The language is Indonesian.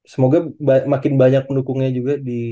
semoga makin banyak pendukungnya juga